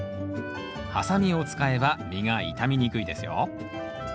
ハサミを使えば実が傷みにくいですよ。